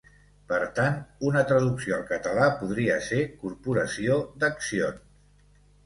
Per tant, una traducció al català podria ser "corporació d'accions".